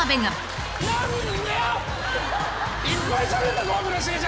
いっぱいしゃべったぞ！